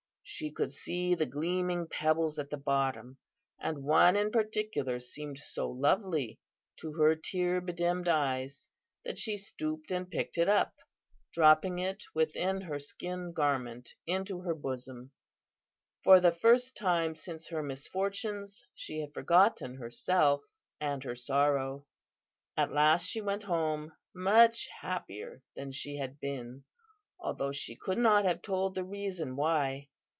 She could see the gleaming pebbles at the bottom, and one in particular seemed so lovely to her tear bedimmed eyes, that she stooped and picked it up, dropping it within her skin garment into her bosom. For the first time since her misfortunes she had forgotten herself and her sorrow. "At last she went home, much happier than she had been, though she could not have told the reason why.